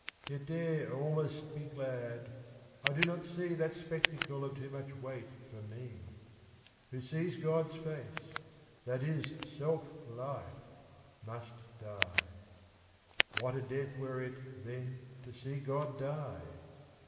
Yet dare I'almost be glad, I do not seeThat spectacle of too much weight for mee. Who sees Gods face, that is selfe life, must dye; What a death were it then to see God dye?